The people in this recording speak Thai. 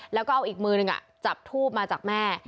แล้วก็เอาอีกมือนึงจับทูบมาจากแม่